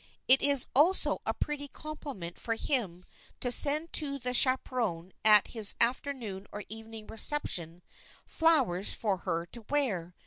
It is also a pretty compliment for him to send to the chaperon at his afternoon or evening reception, flowers for her to wear.